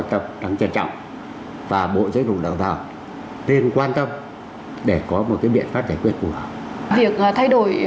trân trọng và bộ giới đồng đảng tạo nên quan tâm để có một cái biện pháp giải quyết của việc thay đổi